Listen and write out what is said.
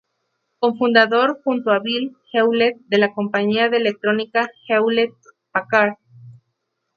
Cofundador junto a Bill Hewlett, de la compañía de electrónica Hewlett-Packard.